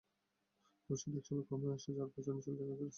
তবে সেটা একসময় কমে আসে, যার পেছনে ছিল টাইগার রেসপন্স টিমের পরিশ্রম।